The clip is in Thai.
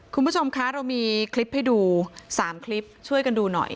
คุณผู้ชมคะเรามีคลิปให้ดู๓คลิปช่วยกันดูหน่อย